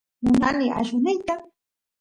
munani allusniyta